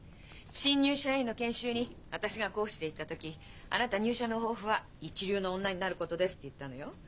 新入社員の研修に私が講師で行った時あなた入社の抱負は一流の女になることですって言ったのよ。